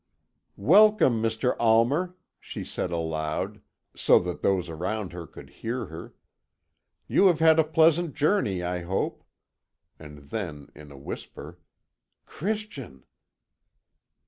"Welcome, Mr. Almer," she said aloud, so that those around her could hear her. "You have had a pleasant journey, I hope." And then, in a whisper, "Christian!"